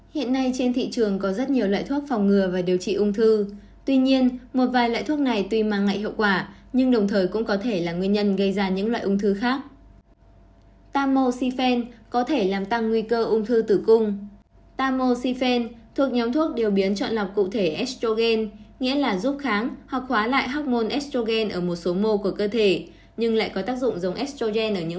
hãy đăng ký kênh để ủng hộ kênh của chúng mình nhé